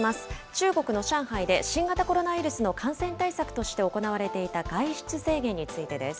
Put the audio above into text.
中国の上海で新型コロナウイルスの感染対策として行われていた外出制限についてです。